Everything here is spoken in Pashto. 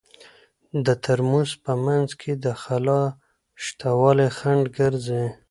د ترموز په منځ کې د خلاء شتوالی خنډ ګرځي.